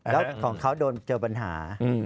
แล้วของเขาโดนเจอปัญหา